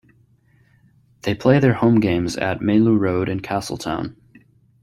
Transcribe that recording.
They play their home games at Malew Road in Castletown.